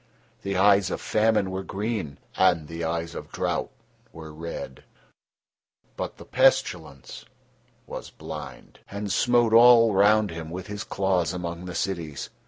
The eyes of the Famine were green, and the eyes of the Drought were red, but the Pestilence was blind and smote about all round him with his claws among the cities.